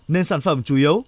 nên sản phẩm chủ yếu